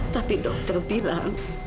tapi dokter bilang